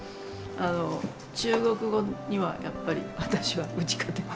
あの中国語にはやっぱり私は打ち勝てない。